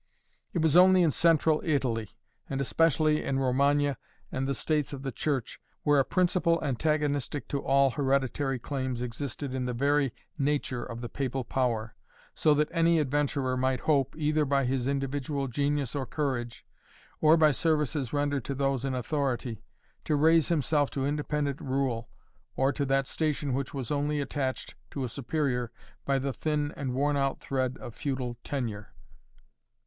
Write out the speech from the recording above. It was only in Central Italy, and especially in Romagna and the States of the Church, where a principle antagonistic to all hereditary claims existed in the very nature of the Papal power, so that any adventurer might hope, either by his individual genius or courage, or by services rendered to those in authority, to raise himself to independent rule or to that station which was only attached to a superior by the thin and worn out thread of feudal tenure.